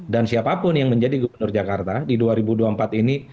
dan siapapun yang menjadi gubernur jakarta di dua ribu dua puluh empat ini